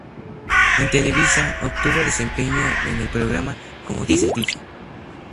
En Televisa obtuvo desempeño en el programa "Como dice el dicho".